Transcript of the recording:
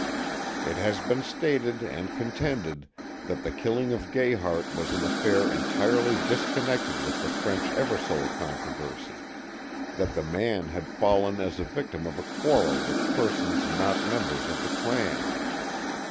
It has been stated and contended that the killing of Gayhart was an affair entirely disconnected with the French Eversole controversy; that the man had fallen as the victim of a quarrel with persons not members of the clan.